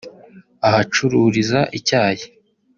ahacururiza icyayi